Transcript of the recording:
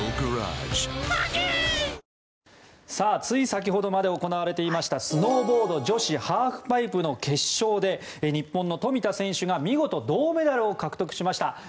つい先ほどまで行われていましたスノーボード女子ハーフパイプの決勝で日本の冨田選手が見事、銅メダルを獲得しました。